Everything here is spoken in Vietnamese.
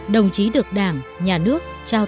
đồng chí được đảng nhà nước